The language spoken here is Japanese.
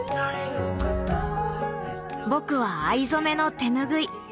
僕は藍染めの手ぬぐい。